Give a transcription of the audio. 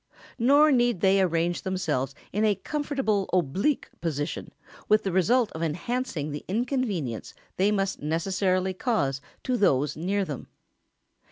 Nor need they arrange themselves in a comfortable oblique position, with the result of enhancing the inconvenience they must necessarily cause to those near them.